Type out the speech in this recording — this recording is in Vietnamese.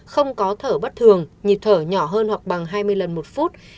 không có thở bất thường nhịp thở nhỏ hơn hoặc bằng hai mươi lần một phút